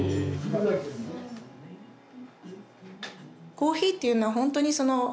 コーヒーっていうのはほんとにそのね